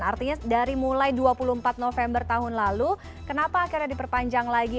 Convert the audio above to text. artinya dari mulai dua puluh empat november tahun lalu kenapa akhirnya diperpanjang lagi